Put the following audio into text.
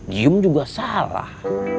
gium juga salah